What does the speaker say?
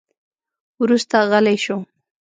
وروسته غلی شو.